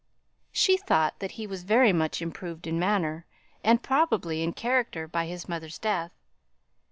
She thought that he was very much improved in manner, and probably in character, by his mother's death.